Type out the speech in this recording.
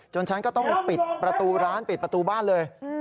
ฉันก็ต้องปิดประตูร้านปิดประตูบ้านเลย